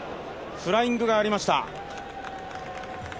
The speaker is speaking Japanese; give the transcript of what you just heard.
フライングがありました。